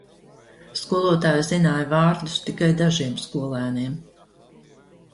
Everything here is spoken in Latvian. Skolotāja zināja vārdus tikai dažiem skolēniem.